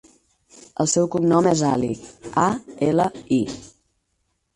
El seu cognom és Ali: a, ela, i.